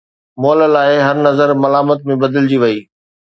مئل لاءِ هر نظر ملامت ۾ بدلجي وئي